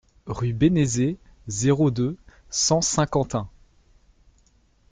Rue Bénezet, zéro deux, cent Saint-Quentin